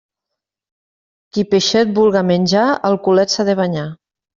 Qui peixet vulga menjar, el culet s'ha de banyar.